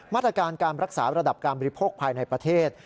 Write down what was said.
มาตรการการรักษาระดับการบริโภคภายในประเทศ